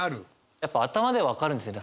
やっぱ頭で分かるんですよね。